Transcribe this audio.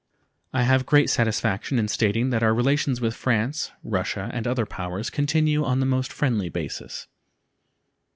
I have great satisfaction in stating that our relations with France, Russia, and other powers continue on the most friendly basis.